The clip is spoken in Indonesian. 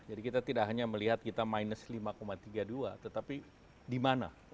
jadi kita tidak hanya melihat kita minus lima tiga puluh dua tetapi di mana